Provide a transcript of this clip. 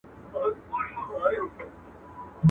او رنګین بیرغ رپیږي په کتار کي د سیالانو.